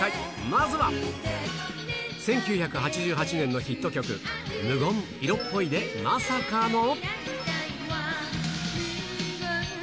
まずは、１９８８年のヒット曲、ＭＵＧＯ・ん色っぽいでまさかの。